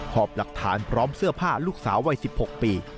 อบหลักฐานพร้อมเสื้อผ้าลูกสาววัย๑๖ปี